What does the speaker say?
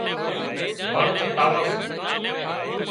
ڀاڻ ڇٽاوان سان